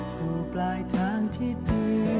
สู่ปลายทางที่ดี